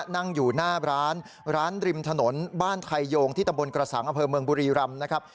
นั่งอยู่หน้าร้านร้านริมถนนบ้านไทยโยงที่ตำบลกระสังอำเภอเมืองบุรีรำนะครับ